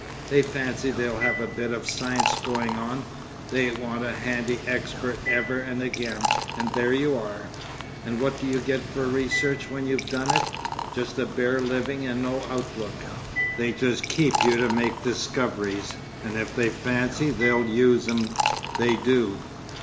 They fancy they'll have a bit of science going on, they want a handy Expert ever and again, and there you are! And what do you get for research when you've done it? Just a bare living and no outlook. They just keep you to make discoveries, and if they fancy they'll use 'em they do."